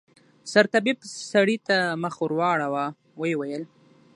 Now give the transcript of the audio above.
سرطبيب سړي ته مخ واړاوه ويې ويل.